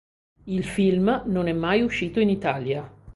Il film non è mai uscito in Italia.